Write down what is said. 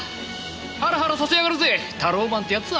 ハラハラさせやがるぜタローマンってやつは。